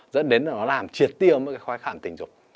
dẫn đến là nó làm triệt tiêu mấy cái khoái khảm thịnh dục